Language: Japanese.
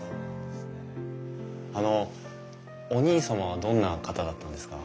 あのお兄様はどんな方だったんですか？